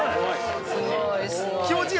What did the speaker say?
すごーい！